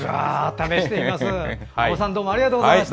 試してみます！